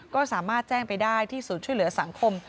ก็สามารถแจ้งไปได้ที่ศูนย์ช่วยเหลือสังคม